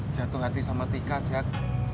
jatuh hati sama tika jahat